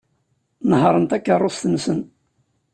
Nehhṛen takeṛṛust-nsen.